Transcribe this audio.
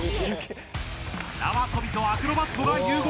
なわとびとアクロバットが融合。